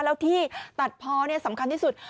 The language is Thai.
แล้วที่ตัดพอสำคัญที่สุด